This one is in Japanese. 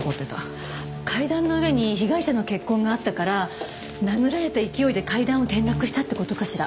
階段の上に被害者の血痕があったから殴られた勢いで階段を転落したって事かしら？